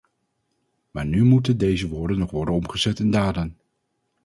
Maar nu moeten deze woorden nog worden omgezet in daden.